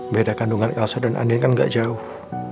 beda kandungan elsa dan andin kan gak jauh